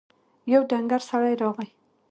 يو ډنګر سړی راغی.